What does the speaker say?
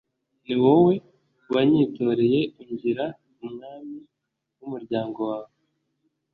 Ni wowe wanyitoreye, ungira umwami w’umuryango wawe,